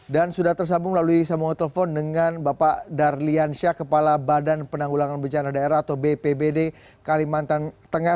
dan sudah tersambung melalui sambungan telepon dengan bapak darlian syah kepala badan penanggulangan bencana daerah atau bpbd kalimantan tengah